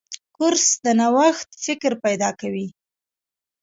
کورس د نوښت فکر پیدا کوي.